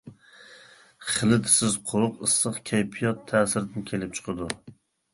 خىلىتسىز قۇرۇق ئىسسىق كەيپىيات تەسىرىدىن كېلىپ چىقىدۇ.